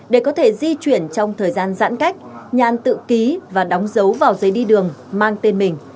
để có thể di chuyển trong thời gian giãn cách nhàn tự ký và đóng dấu vào giấy đi đường mang tên mình